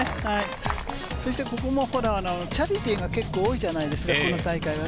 そしてここもチャリティーが結構多いじゃないですか、この大会は。